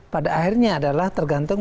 pada akhirnya adalah tergantung